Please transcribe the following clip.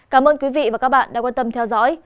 cảm ơn quý vị và các bạn đã quan tâm theo dõi